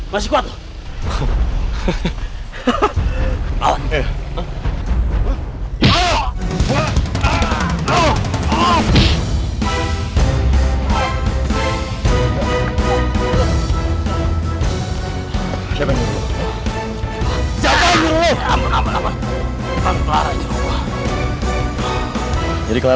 masalah aku bisa menebelk